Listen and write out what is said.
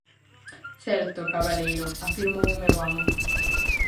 -Certo, cabaleiro -afirmou o meu amo.